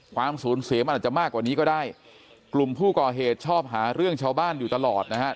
ความสูญเสียมันอาจจะมากกว่านี้ก็ได้กลุ่มผู้ก่อเหตุชอบหาเรื่องชาวบ้านอยู่ตลอดนะฮะ